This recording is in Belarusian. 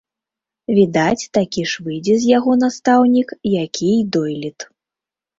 Відаць, такі ж выйдзе з яго настаўнік, які і дойлід.